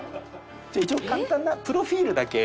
じゃあ一応簡単なプロフィルだけ。